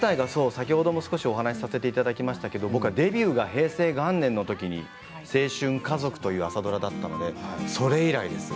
先ほども少しお話させていただきましたがデビューが平成元年のときに「青春家族」という朝ドラがあったのでそれ以来です。